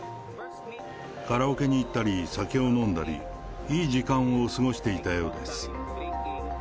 カラオケに行ったり、酒を飲んだり、いい時間を過ごしていたようです。